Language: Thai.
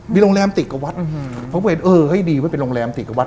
มีโรงแรมติดกับวัดเพราะว่าให้ดีว่าเป็นโรงแรมติดกับวัด